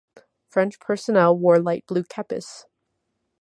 French personnel wore light blue kepis.